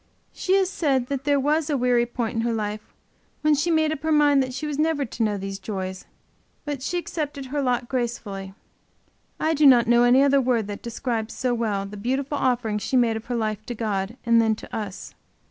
She has said that there was a weary point in her life when she made up her mind that she was never to know these joys. But she accepted her lot gracefully. I do not know any other word that describes so well the beautiful offering she made of her life to God and then to us.